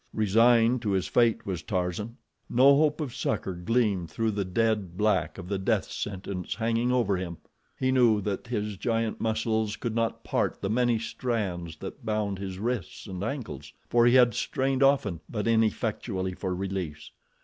Resigned to his fate was Tarzan. No hope of succor gleamed through the dead black of the death sentence hanging over him. He knew that his giant muscles could not part the many strands that bound his wrists and ankles, for he had strained often, but ineffectually for release.